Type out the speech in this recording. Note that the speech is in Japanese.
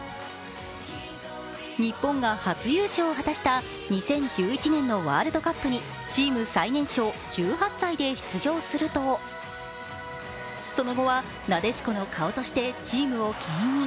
日本が初優勝を果たした２０１１年のワールドカップにチーム最年少、１８歳で出場するとその後は、なでしこの顔としてチームをけん引。